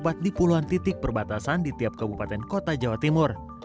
di puluhan titik perbatasan di tiap kabupaten kota jawa timur